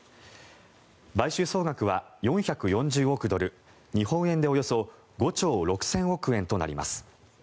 買収総額は４４０億ドル日本円でおよそ５兆６０００億円となります。